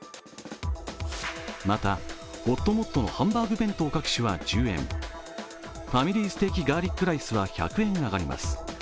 また、ほっともっとのハンバーグ弁当各種は１０円、ファミリーステーキガーリックライスは１００円上がります。